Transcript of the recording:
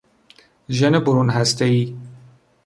ژن برون هستهای